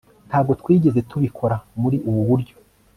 ntabwo twigeze tubikora muri ubu buryo